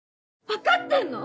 分かってんの⁉